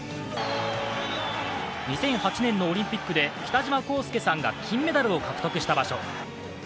２００８年のオリンピックで北島康介さんが金メダルを獲得した場所。